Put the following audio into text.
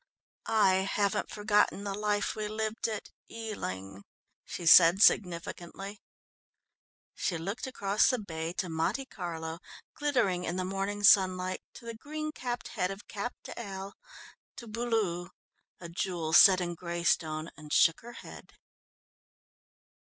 "I haven't forgotten the life we lived at Ealing," she said significantly. She looked across the bay to Monte Carlo glittering in the morning sunlight, to the green capped head of Cap d'Ail, to Beaulieu, a jewel set in greystone and shook her head.